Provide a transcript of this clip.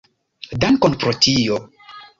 Dankon pro tio.